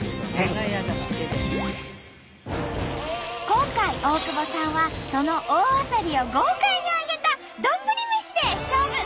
今回大久保さんはその大あさりを豪快に揚げた丼飯で勝負！